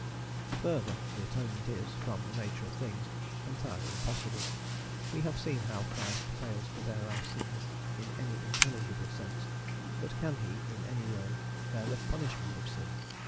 Further, the Atonement is, from the nature of things, entirely impossible: we have seen how Christ fails to bear our sins in any intelligible sense, but can he, in any way, bear the "punishment" of sin?